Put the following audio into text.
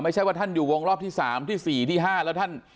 ไม่ใช่ว่าท่านอยู่วงรอบที่๓ที่๔ที่๕แล้วท่าน